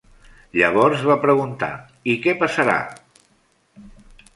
Llavors va preguntar: "I què passarà?"